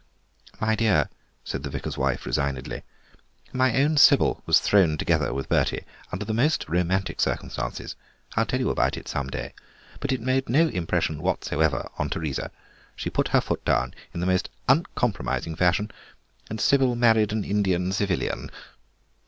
"My dear," said the vicar's wife resignedly, "my own Sybil was thrown together with Bertie under the most romantic circumstances—I'll tell you about it some day—but it made no impression whatever on Teresa; she put her foot down in the most uncompromising fashion, and Sybil married an Indian civilian."